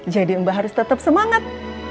jadi mbak harus tetap semangat